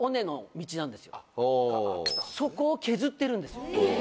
そこを削ってるんですよ。